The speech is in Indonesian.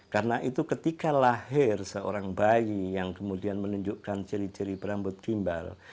karena ketika lahir seorang bayi yang menunjukkan ciri ciri berambut gimbal